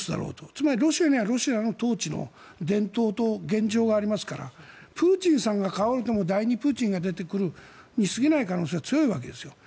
つまりロシアにはロシアの統治の伝統と現状がありますからプーチンさんが倒れても第２プーチンが出てくるに過ぎない可能性は強いわけですよ。